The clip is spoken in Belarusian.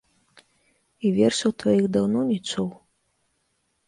І вершаў тваіх даўно не чуў.